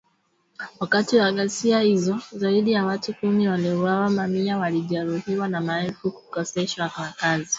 Wakati wa ghasia hizo zaidi ya watu kumi waliuawa mamia walijeruhiwa na maelfu kukoseshwa makazi